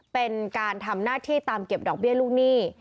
เป็นการทำหน้าที่ตามเก็บดอกเบี้ยลูกหนี้